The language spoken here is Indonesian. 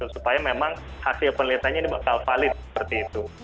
supaya memang hasil penelitiannya ini bakal valid seperti itu